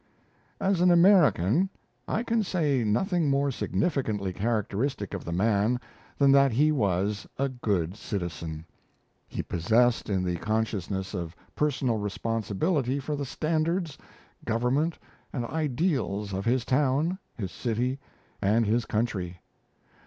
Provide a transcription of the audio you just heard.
As an American, I can say nothing more significantly characteristic of the man than that he was a good citizen. He possessed in rich measure the consciousness of personal responsibility for the standards, government, and ideals of his town, his city, and his country.